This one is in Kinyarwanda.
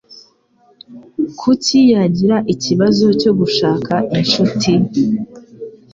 Kuki yagira ikibazo cyo gushaka inshuti?